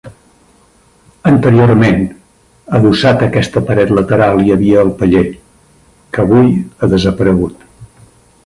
Anteriorment, adossat a aquesta paret lateral hi havia el paller, que avui ha desaparegut.